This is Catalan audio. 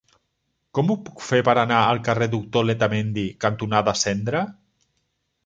Com ho puc fer per anar al carrer Doctor Letamendi cantonada Cendra?